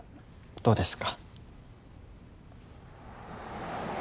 どうですか？